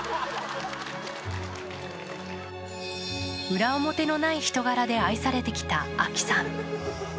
裏表のない人柄で愛されてきたあきさん。